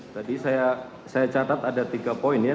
tadi saya catat ada tiga poin ya